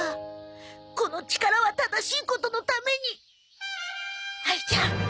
この力は正しいことのために！